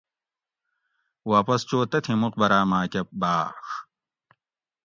واپس چو تتھیں مُقبراۤ ماۤکہ بھاۤڛ